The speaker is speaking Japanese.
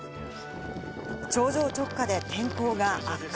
頂上直下で天候が悪化。